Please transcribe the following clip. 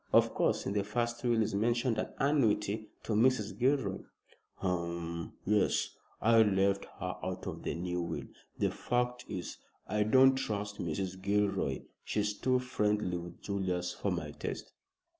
Of course, in the first will is mentioned an annuity to Mrs. Gilroy." "Hum, yes. I left her out of the new will. The fact is, I don't trust Mrs. Gilroy. She's too friendly with Julius for my taste."